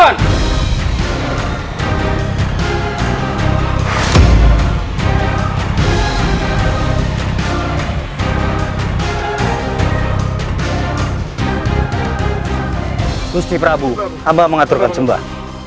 nusti prabu abah mengaturkan sembah